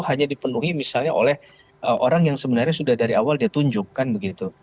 hanya dipenuhi misalnya oleh orang yang sebenarnya sudah dari awal dia tunjukkan begitu